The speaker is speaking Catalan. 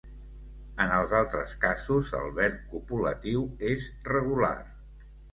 En els altres casos, el verb copulatiu és regular.